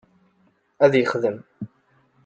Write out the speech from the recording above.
Ad yexdem.